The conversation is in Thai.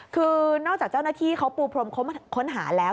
คือนอกจากเจ้าหน้าที่เขาปูพรมค้นหาแล้ว